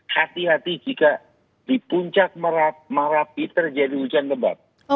hati hati jika di puncak merapi terjadi hujan lebat